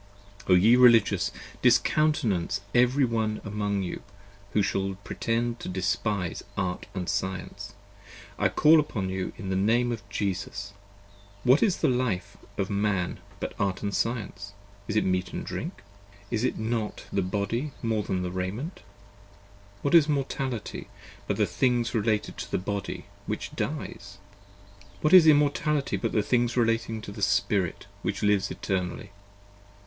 O ye Religious, discountenance every one among you who shall pretend to despise Art & Science! I call upon you in the Name of 25 Jesus! What is the Life of Man but Art & Science? is it Meat & Drink? I is not the Body more than Raiment? What is Mortality but the things re lating to the Body, which Dies? What is Immortality but the things relating to the Spirit, which Lives Eternally?